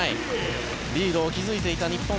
リードを築いていた日本